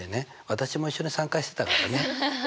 私も一緒に参加してたからね。